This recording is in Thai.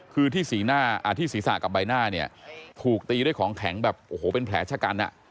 คือที่ศีรษะกับใบหน้าเนี่ยถูกตีด้วยของแข็งแบบโอ้โหเป็นแผลชะกัน